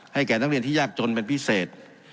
แก่นักเรียนที่ยากจนเป็นพิเศษ